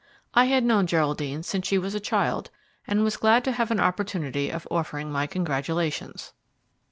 I had known Geraldine since she was a child, and was glad to have an opportunity of offering my congratulations.